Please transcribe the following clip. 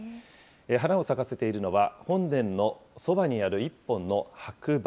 花を咲かせているのは、本殿のそばにある１本の白梅。